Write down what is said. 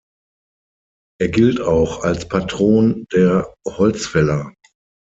Er gilt auch als Patron der Holzfäller.